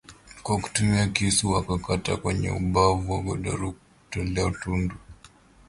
Kwa kutumia kisu akakata kwenye ubavu wa godoro kukatokea tundu